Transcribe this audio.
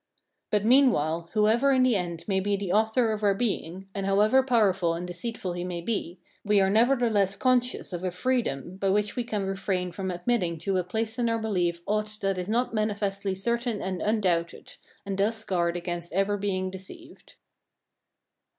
But meanwhile, whoever in the end may be the author of our being, and however powerful and deceitful he may be, we are nevertheless conscious of a freedom, by which we can refrain from admitting to a place in our belief aught that is not manifestly certain and undoubted, and thus guard against ever being deceived.